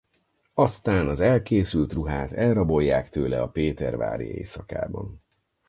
Aztán az elkészült ruhát elrabolják tőle a pétervári éjszakában.